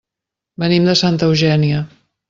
Venim de Santa Eugènia.